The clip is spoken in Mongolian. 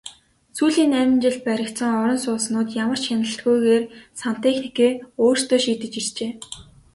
Сүүлийн найман жилд баригдсан орон сууцнууд ямар ч хяналтгүйгээр сантехникээ өөрсдөө шийдэж иржээ.